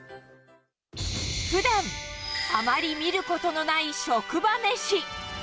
ふだんあまり見ることのない職場めし。